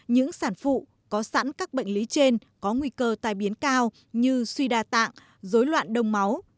những sản phụ có sẵn các bệnh lý trên có nguy cơ tai biến cao như suy đa tạng dối loạn đông máu